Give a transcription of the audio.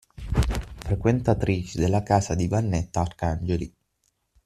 Frequentatrici della casa di Vannetta Arcangeli